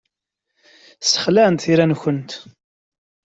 Ssexlaɛent tira-nkent.